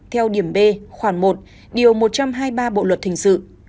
theo điểm b khoảng một điều một trăm hai mươi ba bộ luật hình sự